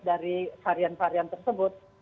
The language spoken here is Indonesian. dari varian varian tersebut